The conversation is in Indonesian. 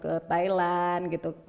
ke thailand gitu